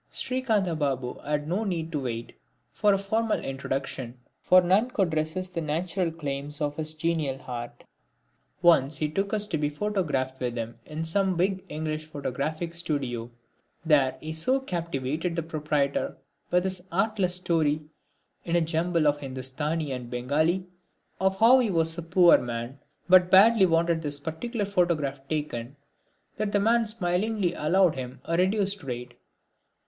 Srikantha Babu had no need to wait for a formal introduction, for none could resist the natural claims of his genial heart. Once he took us to be photographed with him in some big English photographic studio. There he so captivated the proprietor with his artless story, in a jumble of Hindusthani and Bengali, of how he was a poor man, but badly wanted this particular photograph taken, that the man smilingly allowed him a reduced rate.